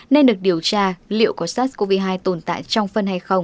nên được điều tra liệu có sars cov hai tồn tại trong phân hay không